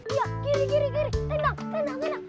iya kiri kiri kiri tingkat tingkat tingkat